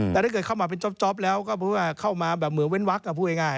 แต่ถ้าเกิดเข้ามาเป็นจ๊อปแล้วก็เพราะว่าเข้ามาเหมือนเว้นวักอ่ะพูดง่าย